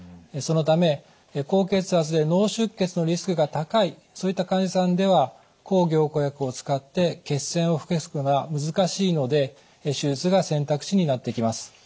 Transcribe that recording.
そのため高血圧で脳出血のリスクが高いそういった患者さんでは抗凝固薬を使って血栓を防ぐのが難しいので手術が選択肢になってきます。